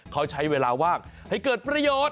เขาใช้เวลาว่างให้เกิดประโยชน์